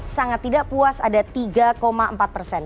sangat tidak puas ada tiga empat persen